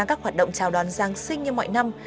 các hoạt động chào đón giáng sinh như mọi năm